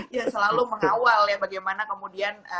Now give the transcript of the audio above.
ya selalu mengawal ya bagaimana kemudian